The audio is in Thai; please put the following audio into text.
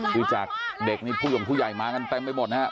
ด้วยจากเด็กนี้ผู้ยอมผู้ใหญ่มากันเต็มไปหมดนะฮะ